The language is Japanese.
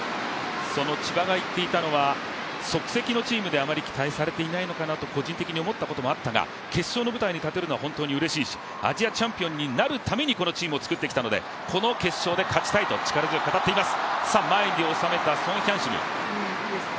その千葉が言っていたのは即席のチームであまり期待されていないのかなと個人的にも思ったこともあったが、決勝の舞台に立てるのは本当にうれしいし、アジアチャンピオンになるためにこのチームを作ってきたのでこの決勝で勝ちたいと力強く語っています。